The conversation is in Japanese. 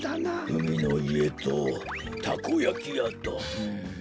うみのいえとたこやきやとうん。